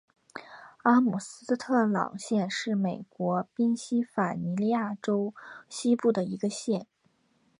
阿姆斯特朗县是美国宾夕法尼亚州西部的一个县。